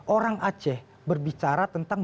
orang aceh berbicara tentang